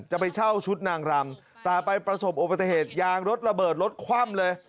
จะไปเช่าชุดนางรำแต่ไปประสบอุบัติเหตุยางรถระเบิดรถคว่ำเลย